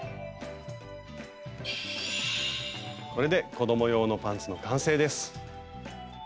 これで子ども用のパンツの完成です！